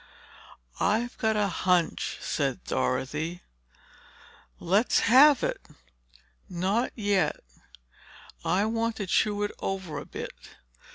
"I've got a hunch," said Dorothy. "Let's have it." "Not yet. I want to chew it over a bit.